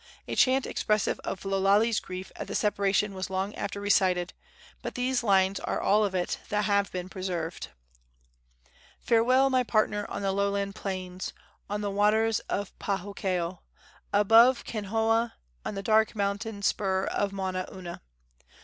A chant expressive of Lo Lale's grief at the separation was long after recited, but these lines are all of it that have been preserved: "Farewell, my partner on the lowland plains, On the waters of Pohakeo, Above Kanehoa, On the dark mountain spur of Mauna una!